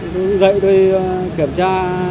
tôi dậy tôi kiểm tra